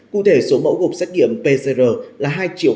cụ thể số mẫu gộp xét nghiệm pcr là hai triệu